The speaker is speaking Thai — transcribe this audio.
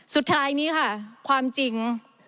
สุดท้ายนี้ค่ะความจริง